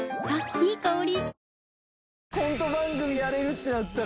いい香り。